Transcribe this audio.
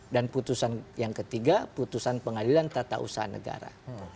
dan putusan yang ketiga putusan pengadilan tata usaha negara